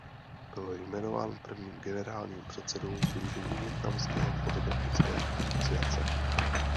Byl jmenován prvním generálním předsedou sdružení Vietnamské fotografické asociace.